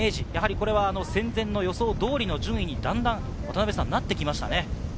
これは戦前の予想通りにだんだんなってきましたね。